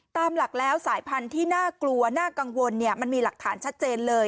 ตามหลักแล้วสายพันธุ์ที่น่ากลัวน่ากังวลมันมีหลักฐานชัดเจนเลย